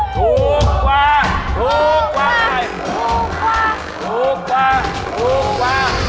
ถูกหว่าถูกหว่าถูกหว่า